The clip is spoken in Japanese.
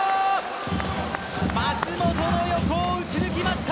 舛本の横を打ち抜きました。